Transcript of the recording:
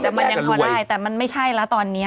แต่มันยังพอได้แต่มันไม่ใช่แล้วตอนนี้